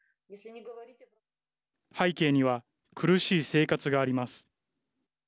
背景には苦しい生活があります。